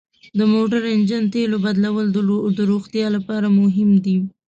د موټر انجن تیلو بدلول د روغتیا لپاره مهم دي.